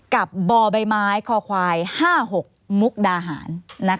กับบ่อใบไม้คอควาย๕๖มุกดาหาร